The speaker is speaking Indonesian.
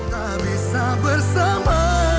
ku tak bisa bersama